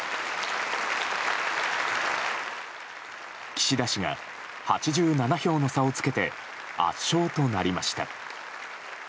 岸田氏が８７票の差をつけて圧勝となりました。